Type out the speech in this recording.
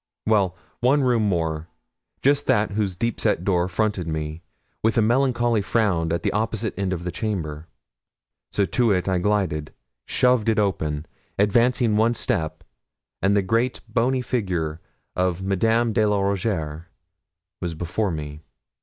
Well, one room more just that whose deep set door fronted me, with a melancholy frown, at the opposite end of the chamber. So to it I glided, shoved it open, advancing one step, and the great bony figure of Madame de la Rougierre was before me.